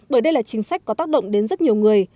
bởi đây là chính sách có tác động đến rất nhiều người